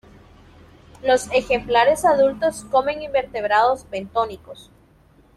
Los ejemplares adultos comen invertebrados bentónicos.